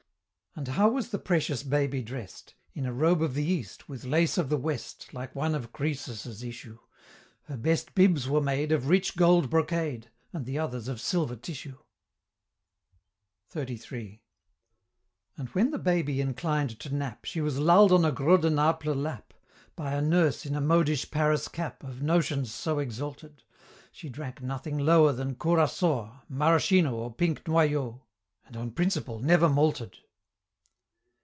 And how was the precious baby drest? In a robe of the East, with lace of the West, Like one of Croesus's issue Her best bibs were made Of rich gold brocade, And the others of silver tissue. XXXIII. And when the baby inclined to nap, She was lull'd on a Gros de Naples lap, By a nurse in a modish Paris cap, Of notions so exalted, She drank nothing lower than Curaçoa Maraschino, or pink Noyau, And on principle never malted.